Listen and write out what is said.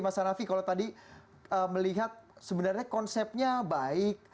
mas hanafi kalau tadi melihat sebenarnya konsepnya baik